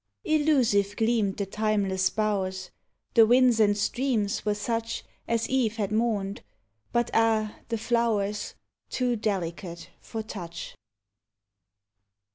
Illusive gleamed the timeless bow'rs; The winds and streams were such As Eve had mourned but ah, the flow'rs! Too delicate for touch!